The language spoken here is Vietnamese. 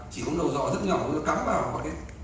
chỉ có một đầu dò rất nhỏ mà chúng ta cắm vào